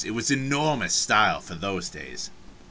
It was enormous style for those days.